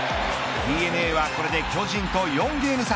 ＤｅＮＡはこれで巨人と４ゲーム差。